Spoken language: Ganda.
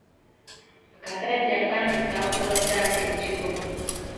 Akasajja akampi kaakuba taata ekigwo.